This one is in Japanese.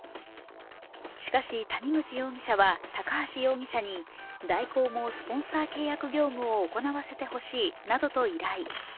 しかし、谷口容疑者は高橋容疑者に大広もスポンサー契約業務を行わせてほしいなどと依頼。